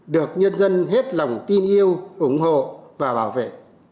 được nhân dân hết lòng tin yêu ủng hộ và bảo vệ